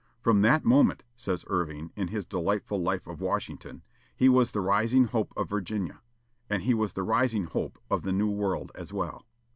"From that moment," says Irving, in his delightful life of Washington, "he was the rising hope of Virginia." And he was the rising hope of the new world as well.